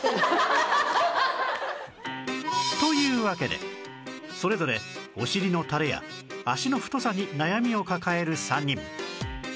というわけでそれぞれお尻の垂れや脚の太さに悩みを抱える３人